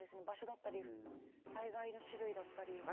場所だったり災害の種類だったり。